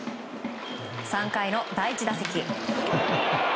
３回の第１打席。